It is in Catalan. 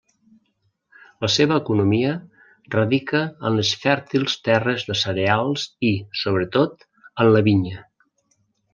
La seva economia radica en les fèrtils terres de cereals i, sobretot, en la vinya.